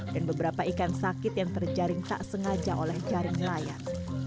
dan beberapa ikan sakit yang terjaring tak sengaja oleh jaring nelayan